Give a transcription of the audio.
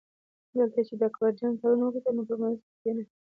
دلته یې د اکبرجان کارونه وکتل نو په منځ کې کیناست.